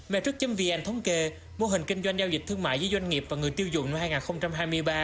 metric vn thống kê mô hình kinh doanh giao dịch thương mại giữa doanh nghiệp và người tiêu dùng năm hai nghìn hai mươi ba